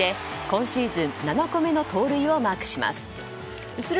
今シーズン７個目の盗塁をマークします。